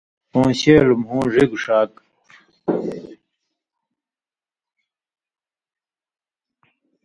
پون٘شېلوۡ مُھو، ڙِگوۡ ݜاک،